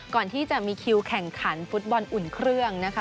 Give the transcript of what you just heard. ก่อนที่จะมีคิวแข่งขันฟุตบอลอุ่นเครื่องนะคะ